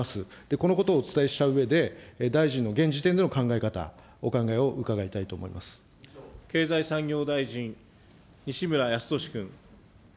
このことをお伝えしたうえで、大臣の現時点での考え方、お考えを経済産業大臣、西村康稔君。